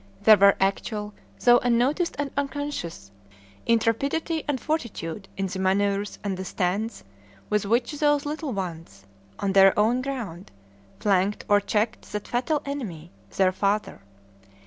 There were actual, though unnoticed and unconscious, intrepidity and fortitude in the manuvres and the stands with which those little ones, on their own ground, flanked or checked that fatal enemy, their father.